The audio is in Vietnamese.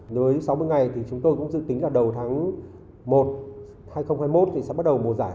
đối với sáu mươi ngày thì chúng tôi cũng dự tính là đầu tháng một hai nghìn hai mươi một thì sẽ bắt đầu mùa giải